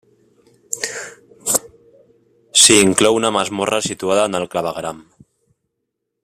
S'hi inclou una masmorra situada en el clavegueram.